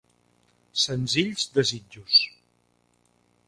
Senzills Desitjos.